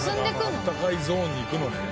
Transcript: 温かいゾーンに行くのね。